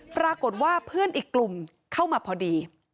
ปรากฏว่าเพื่อนอีกกลุ่มเข้ามาพอดี